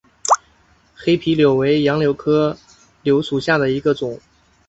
黑皮柳为杨柳科柳属下的一个种。